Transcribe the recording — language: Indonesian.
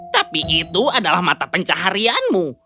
tapi itu adalah mata pencaharianmu